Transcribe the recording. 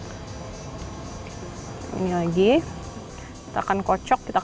sampai rata kita akan mencampurkan susu coklat yang tadi kita sudah moodle bisa lagi terus